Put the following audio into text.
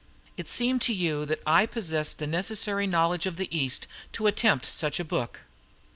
It seemed to you that I possessed the necessary knowledge of the East to attempt such a book."